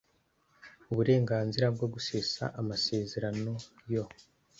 uburenganzira bwo gusesa amasezerano yo